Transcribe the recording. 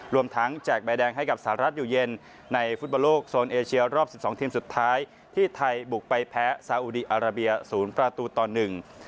รวมทั้งแจกใบแดงให้กับสหรัฐอยู่เย็นในฟุตบอลโลกโซนเอเชียรอบสิบสองทีมสุดท้ายที่ไทยบุกไปแพ้สาอุดีอาราเบียศูนย์ประตูต่อหนึ่ง